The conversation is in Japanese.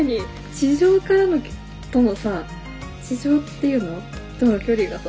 地上からのとのさ地上って言うの？との距離がさ